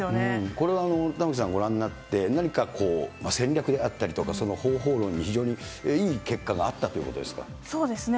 これは玉城さん、ご覧になって何か戦略であったりとか、方法論に非常にいい結果があったそうですね。